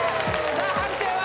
さあ判定は？